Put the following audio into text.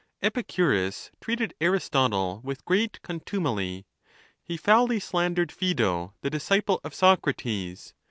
Epicurus treated Aristotle with great contumely. He foully slandered Phsedo, the disciple of Socrates.